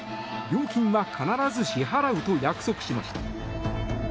料金は必ず支払うと約束しました。